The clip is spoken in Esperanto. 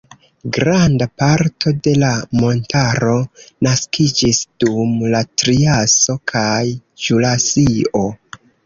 Granda parto de la montaro naskiĝis dum la triaso kaj ĵurasio.